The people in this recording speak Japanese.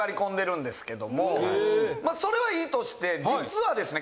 それはいいとして実はですね